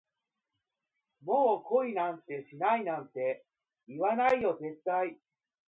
もう恋なんてしないなんて、言わないよ絶対